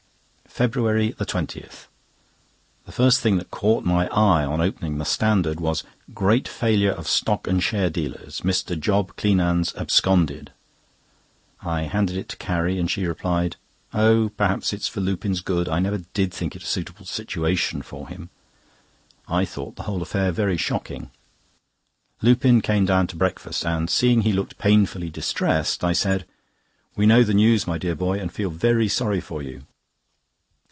FEBRUARY 20.—The first thing that caught my eye on opening the Standard was—"Great Failure of Stock and Share Dealers! Mr. Job Cleanands absconded!" I handed it to Carrie, and she replied: "Oh! perhaps it's for Lupin's good. I never did think it a suitable situation for him." I thought the whole affair very shocking. Lupin came down to breakfast, and seeing he looked painfully distressed, I said: "We know the news, my dear boy, and feel very sorry for you."